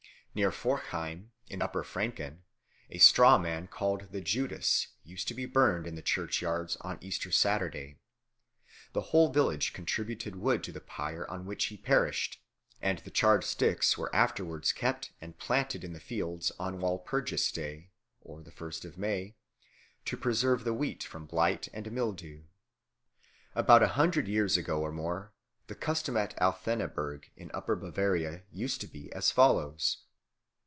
Near Forchheim, in Upper Franken, a straw man called the Judas used to be burned in the churchyards on Easter Saturday. The whole village contributed wood to the pyre on which he perished, and the charred sticks were afterwards kept and planted in the fields on Walpurgis Day (the first of May) to preserve the wheat from blight and mildew. About a hundred years ago or more the custom at Althenneberg, in Upper Bavaria, used to be as follows.